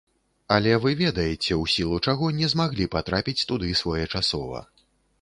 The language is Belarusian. Але вы ведаеце, у сілу чаго не змаглі патрапіць туды своечасова.